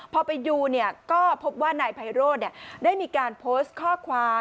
พอไปดูก็พบว่านายไพโรธได้มีการโพสต์ข้อความ